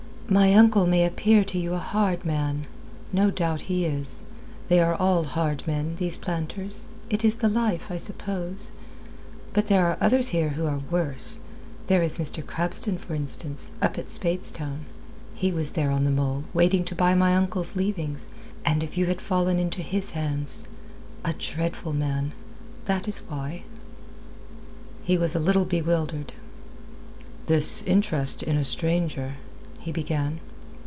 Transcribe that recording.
"My uncle may appear to you a hard man. No doubt he is. They are all hard men, these planters. It is the life, I suppose. But there are others here who are worse. There is Mr. Crabston, for instance, up at Speightstown. He was there on the mole, waiting to buy my uncle's leavings, and if you had fallen into his hands... A dreadful man. That is why." He was a little bewildered. "This interest in a stranger..." he began.